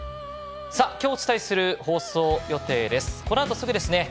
今日お伝えする放送予定です。